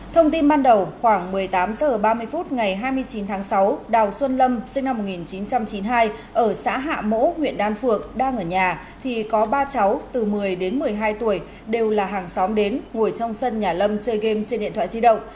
thông tin ban đầu khoảng một mươi tám h ba mươi phút ngày hai mươi chín tháng sáu đào xuân lâm sinh năm một nghìn chín trăm chín mươi hai ở xã hạ mẫu huyện đan phượng đang ở nhà thì có ba cháu từ một mươi đến một mươi hai tuổi đều là hàng xóm đến ngồi trong sân nhà lâm chơi game trên điện thoại di động